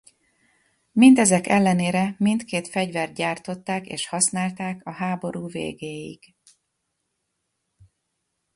Mindezek ellenére mindkét fegyvert gyártották és használták a háború végéig.